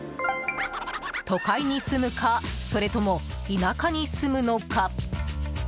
都会に住むかそれとも田舎に住むのか。